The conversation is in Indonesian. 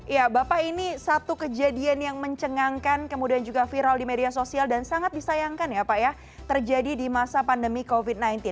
ya bapak ini satu kejadian yang mencengangkan kemudian juga viral di media sosial dan sangat disayangkan ya pak ya terjadi di masa pandemi covid sembilan belas